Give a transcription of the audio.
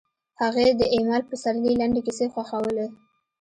هغې د ایمل پسرلي لنډې کیسې خوښولې